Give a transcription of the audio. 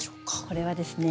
これはですね